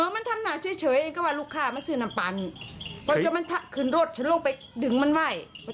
ไม่แหล่วไม่ที่อะไรไม่พูดอะไรเลย